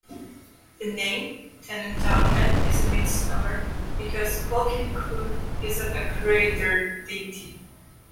The name "Tenantomwan" is a misnomer, because Quikinna'qu isn't a creator deity.